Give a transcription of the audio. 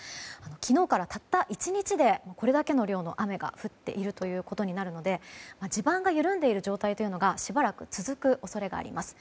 昨日から、たった１日でこれだけの量の雨が降っているということになるので地盤が緩んでいる状態がしばらく続く恐れがあります。